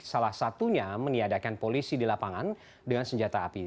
salah satunya meniadakan polisi di lapangan dengan senjata api